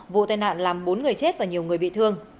vụ tai nạn làm bốn người chết và nhiều người bị thương